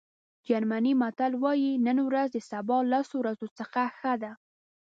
جرمني متل وایي نن ورځ د سبا لسو ورځو څخه ښه ده.